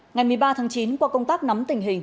ngày một mươi ba tháng chín qua công tác nắm tình hình